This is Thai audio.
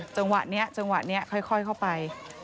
จังหวะนี้จังหวะนี้ค่อยเข้าไป